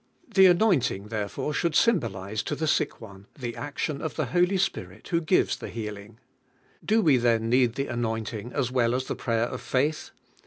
The anointing therefore should sym bolise in I lie sick "in the action of Ihe noly Spirit who gives (he healing. Do we then need the anointing as well as the prayer of faith?